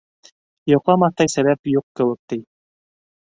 Йоҡламаҫтай сәбәп юҡ кеүек, ти...